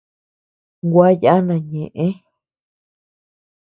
Gua yana ñeʼë.